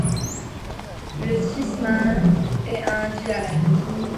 Le tisman est un dialecte.